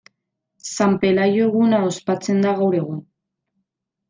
San Pelaio eguna ospatzen da gaur egun.